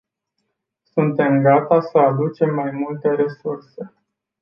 Suntem gata să aducem mai multe resurse.